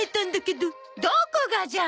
どこがじゃ！